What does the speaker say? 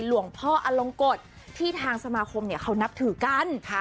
หลวงพ่ออลงกฎที่ทางสมาคมเขานับถือกัน